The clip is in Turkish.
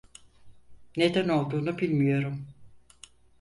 Neden olduğunu bilmiyorum.